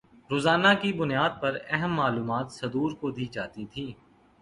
روزانہ کی بنیاد پر اہم معلومات صدور کو دی جاتی تھیں